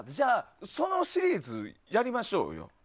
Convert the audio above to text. そのシリーズやりましょうよ。